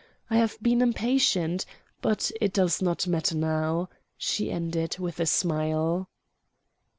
I have been impatient; but it does not matter now," she ended, with a smile.